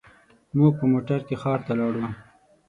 موږ په موټر کې ښار ته لاړو.